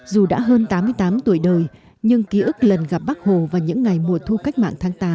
dù đã hơn tám mươi tám tuổi đời nhưng ký ức lần gặp bác hồ và những ngày mùa thu cách mạng tháng tám